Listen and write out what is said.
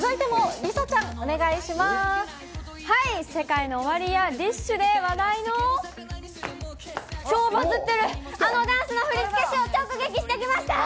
ＳＥＫＡＩＮＯＯＷＡＲＩやＤＩＳＨ／／で話題の超バズってる、あのダンスの振り付け師を直撃してきました。